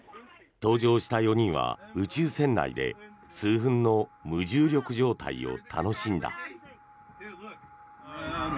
搭乗した４人は宇宙船内で数分の無重力状態を楽しんだ。